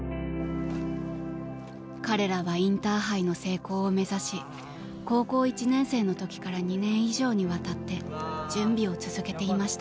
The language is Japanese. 彼らはインターハイの成功を目指し高校１年生の時から２年以上にわたって準備を続けていました。